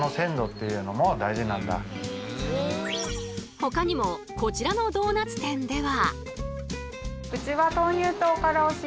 ほかにもこちらのドーナツ店では。